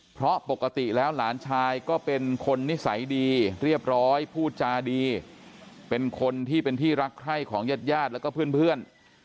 เพราะปกติแล้วหลานชายก็เป็นคนนิสัยดีเรียบร้อยพูดจาดีเป็นคนที่เป็นที่รักใคร่ของญาติญาติแล้วก็เพื่อน